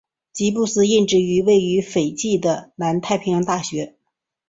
吉布斯任职于位于斐济的南太平洋大学。